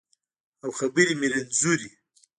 او خبرې مې رنځورې